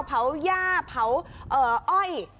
เผาย่าเผาอ้อย